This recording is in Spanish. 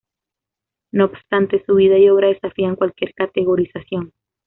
No obstante, su vida y obra desafían cualquier categorización.